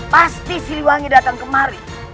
pasti siliwangi datang kemari